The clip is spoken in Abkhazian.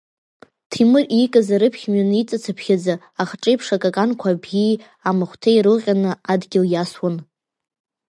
Ҭемыр иикыз арыԥхь мҩаниҵацыԥхьаӡа, ахҿа еиԥш акаканқәа абӷьи амахәҭақәеи ирылҟьаны адгьыл иасуан.